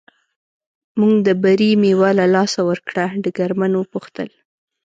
موږ د بري مېوه له لاسه ورکړه، ډګرمن و پوښتل.